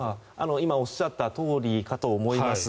今おっしゃったとおりかと思います。